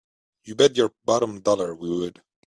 You bet your bottom dollar we would!